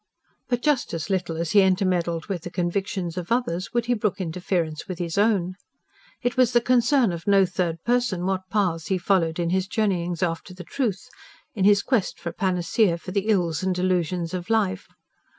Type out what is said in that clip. But just as little as he intermeddled with the convictions of others would he brook interference with his own. It was the concern of no third person what paths he followed in his journeyings after the truth in his quest for a panacea for the ills and delusions of life.